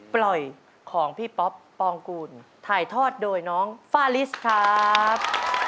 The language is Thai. ปล่อยของพี่ป๊อปปองกูลถ่ายทอดโดยน้องฟาลิสครับ